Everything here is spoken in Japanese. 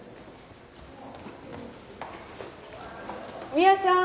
美和ちゃん